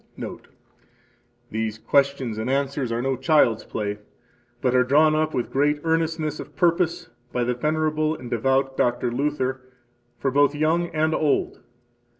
Note: These questions and answers are no child's play, but are drawn up with great earnestness of purpose by the venerable and devout Dr. Luther for both young and old.